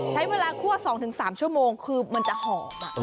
ใช้เวลาคั่วสองถึงสามชั่วโมงคือมันจะหอมอืม